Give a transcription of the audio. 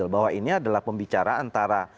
bahwa ini adalah pembicaraan antara